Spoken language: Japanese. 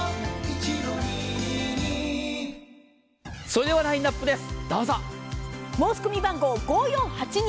それではラインナップです。